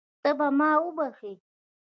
ته به ما وبښې.